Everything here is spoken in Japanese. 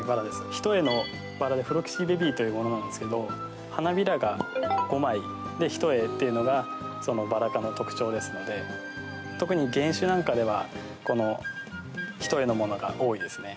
一重のバラでフロキシーベビーというものなんですけど花びらが５枚で一重っていうのがバラ科の特徴ですので特に原種なんかではこの一重のものが多いですね。